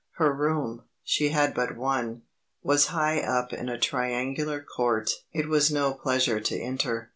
Her room she had but one was high up in a triangular court it was no pleasure to enter.